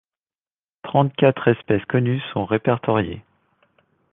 Trente-quatre espèces connues sont répertoriées.